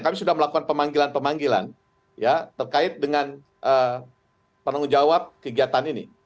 kami sudah melakukan pemanggilan pemanggilan ya terkait dengan penanggung jawab kegiatan ini